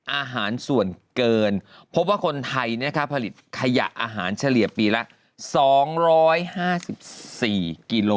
อาหารส่วนเกินพบว่าคนไทยผลิตขยะอาหารเฉลี่ยปีละ๒๕๔กิโล